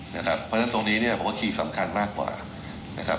เพราะฉะนั้นตรงนี้ผมว่าคลีกสำคัญมากกว่า